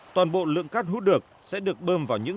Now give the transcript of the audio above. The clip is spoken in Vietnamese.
toàn bộ lượng cát hút được sẽ được bơm vào những